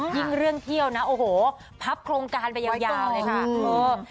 ยิ่งเรื่องเที่ยวนะโอ้โหพับโครงการไปยาวเลยค่ะ